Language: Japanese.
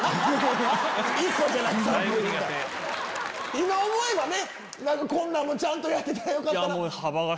今思えばこんなんもちゃんとやってたらよかった。